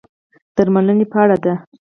درملنې په اړه دي.